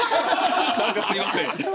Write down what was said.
何かすいません。